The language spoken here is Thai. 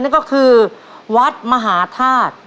นั่นก็คือวัดมหาธาตุ